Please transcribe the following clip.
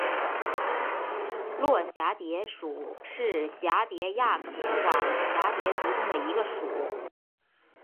络蛱蝶属是蛱蝶亚科网蛱蝶族中的一个属。